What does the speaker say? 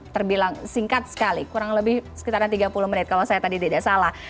terbilang singkat sekali kurang lebih sekitar tiga puluh menit kalau saya tadi tidak salah